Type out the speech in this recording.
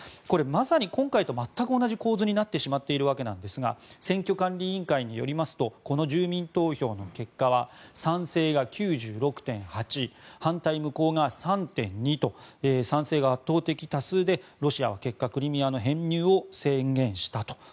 これ、まさに今回と全く同じ構図になってしまっているわけなんですが選挙管理委員会によりますとこの住民投票の結果は賛成が９６．８％反対・無効が３．２％と賛成が圧倒的多数でロシアは結果クリミアの編入を宣言したと。